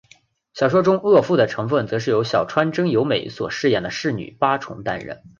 小说中的恶妇成份则由小川真由美所饰演的侍女八重承担。